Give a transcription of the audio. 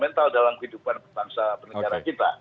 sensional dalam kehidupan bangsa penegara kita